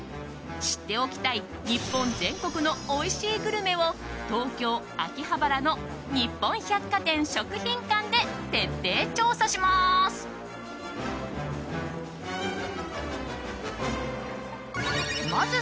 知っておきたい日本全国のおいしいグルメを東京・秋葉原の日本百貨店しょく